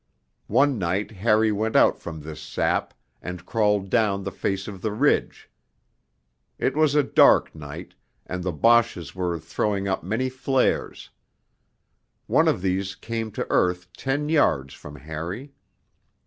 One night Harry went out from this sap and crawled down the face of the ridge. It was a dark night, and the Boches were throwing up many flares. One of these came to earth ten yards from Harry.